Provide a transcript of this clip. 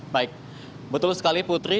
baik betul sekali putri